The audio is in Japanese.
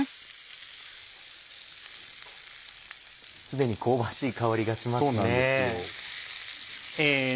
すでに香ばしい香りがしますね。